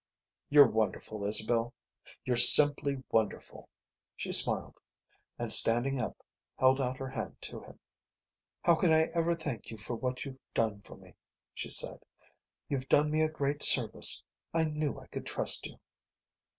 "You're wonderful, Isabel, you're simply wonderful." She smiled, and, standing up, held out her hand to him. "How can I ever thank you for what you've done for me?" she said. "You've done me a great service. I knew I could trust you."